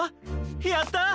やった！